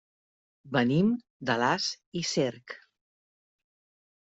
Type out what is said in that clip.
Venim d'Alàs i Cerc.